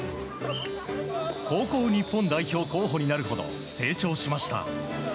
高校日本代表候補になるほど成長しました。